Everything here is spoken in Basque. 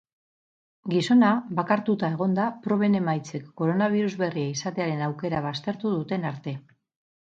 Gizona bakartuta egon da proben emaitzek koronabirus berria izatearen aukera baztertu duten arte.